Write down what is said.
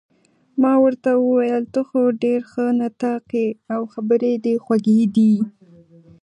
ما ورته وویل: ته خو ډېر ښه نطاق يې، او خبرې دې خوږې دي.